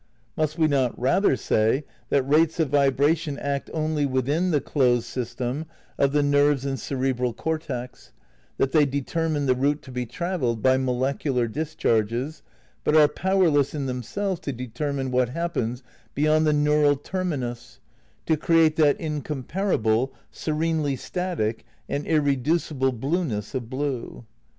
Must we not rather say that rates of vibration act only within the closed system of the nerves and cere bral cortex, that they determine the route to be trav elled by molecular discharges, but are powerless in themselves to determine what happens beyond the neural terminus, to create that incomparable, serenely static, and irreducible blueness of blue?